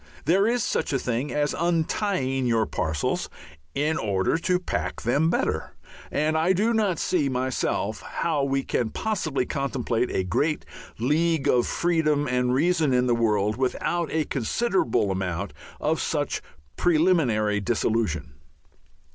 There is such a thing as untying your parcels in order to pack them better, and I do not see myself how we can possibly contemplate a great league of freedom and reason in the world without a considerable amount of such preliminary dissolution.